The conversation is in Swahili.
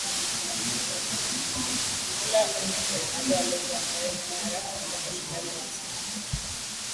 ula one fernado alonzo ambae ni kinara katika mashindano ya msimu huu